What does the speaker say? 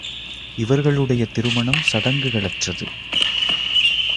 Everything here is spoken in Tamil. இவர்களுடைய திருமணம் சடங்குகளற்றது.